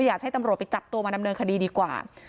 อยากให้ตำรวจไปจับตัวมาดำเนินคดีดีกว่า